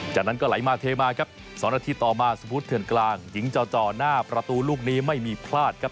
จากนั้นก็ไหลมาเทมาครับ๒นาทีต่อมาสพุทธเถื่อนกลางหญิงจอจอหน้าประตูลูกนี้ไม่มีพลาดครับ